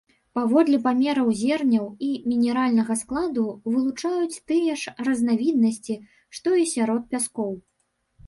Паводле памераў зерняў і мінеральнага складу вылучаюць тыя ж разнавіднасці, што і сярод пяскоў.